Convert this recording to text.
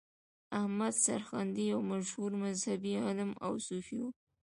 احمد سرهندي یو مشهور مذهبي عالم او صوفي و.